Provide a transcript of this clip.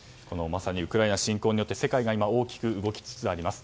まさにウクライナ侵攻により世界が大きく動きつつあります。